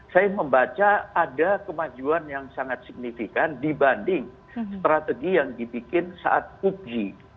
saya membaca ada kemajuan yang sangat signifikan dibanding strategi yang dibikin saat upg